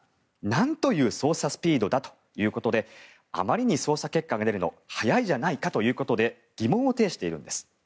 何という捜査スピードだということであまりに捜査結果が出るのが早いじゃないかということで疑問を呈しているんです。